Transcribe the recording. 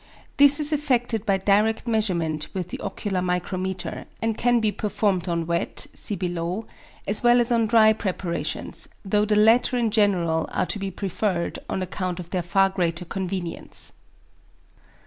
This is effected by direct measurement with the ocular micrometer; and can be performed on wet (see below), as well as on dry preparations, though the latter in general are to be preferred on account of their far greater convenience.